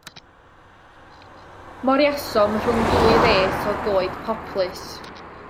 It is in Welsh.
Moriasom rhwng dwy res o goed poplys.